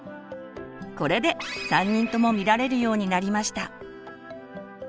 これで３人とも見られるようになりました。